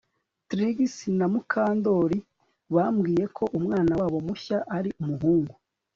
Trix na Mukandoli bambwiye ko umwana wabo mushya ari umuhungu